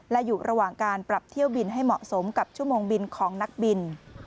และอยู่ระหว่างการปรับเที่ยวบินให้เหมาะสมกับชั่วโมงบินของนักบิน